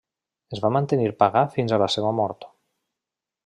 Es va mantenir pagà fins a la seva mort.